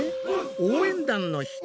応援団の人？